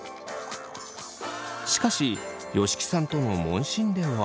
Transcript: しかし吉木さんとの問診では。